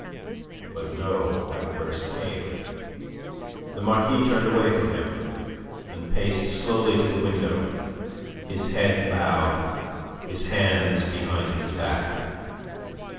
But no outburst came. The Marquis turned away from him, and paced slowly to the window, his head bowed, his hands behind his back.